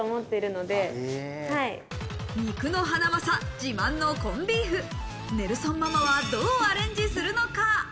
自慢のコンビーフ、ネルソンママは、どうアレンジするのか。